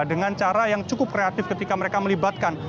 dengan cara yang cukup kreatif ketika mereka melibatkan